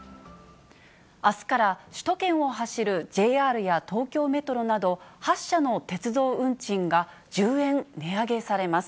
あすから首都圏を走るＪＲや東京メトロなど、８社の鉄道運賃が１０円値上げされます。